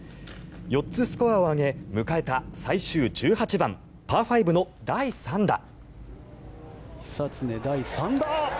４つスコアを上げ、迎えた最終１８番、パー５の第３打。